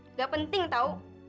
nggak penting tau